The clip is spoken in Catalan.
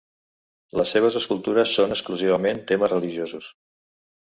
Les seves escultures són exclusivament temes religiosos.